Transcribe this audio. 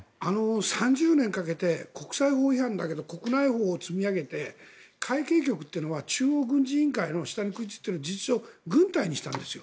３０年かけて国際法違反だけど国内法を積み上げて海警局というのは中央軍事委員会の下についている事実上、軍隊にしたんです。